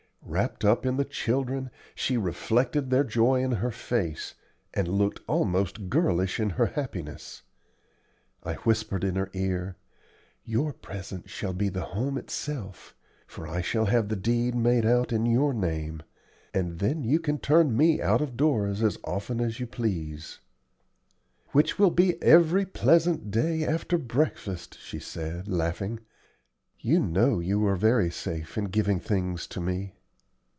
Wrapped up in the children, she reflected their joy in her face, and looked almost girlish in her happiness. I whispered in her ear, "Your present shall be the home itself, for I shall have the deed made out in your name, and then you can turn me out of doors as often as you please." "Which will be every pleasant day after breakfast," she said, laughing. "You know you are very safe in giving things to me."